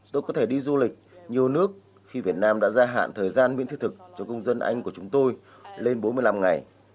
tôi có thể đi du lịch nhiều nước khi việt nam đã gia hạn thời gian miễn thiết thực cho công dân anh của chúng tôi lên bốn mươi năm ngày